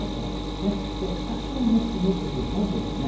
多少蒸し蒸しとするかもしれません。